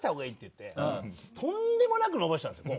とんでもなく伸ばしたんです。